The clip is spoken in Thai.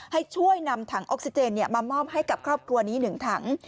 ให้ช่วยนำถังออกซิเจนมามอบให้กับครอบครัวนี้๑ถัง